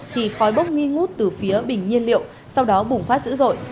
thì khói bốc nghi ngút từ phía bình nhiên liệu sau đó bùng phát dữ dội